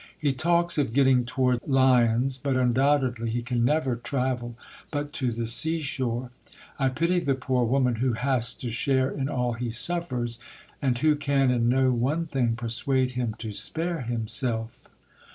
He talks of getting toward Lyons; but undoubtedly he can never travel but to the sea shore. I pity the poor woman who has to share in all he suffers, and who can, in no one thing, persuade him to spare himself."